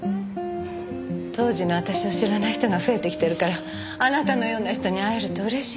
当時の私を知らない人が増えてきてるからあなたのような人に会えると嬉しいわ。